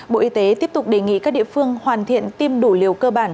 bộ y tế tiếp tục đề nghị các địa phương hoàn thiện tiêm đủ liều cơ bản